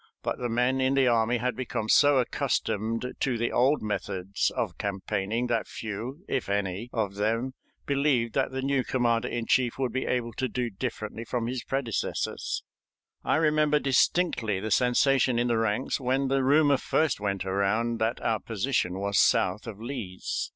But the men in the army had become so accustomed to the old methods of campaigning that few, if any, of them believed that the new commander in chief would be able to do differently from his predecessors. I remember distinctly the sensation in the ranks when the rumor first went around that our position was south of Lee's.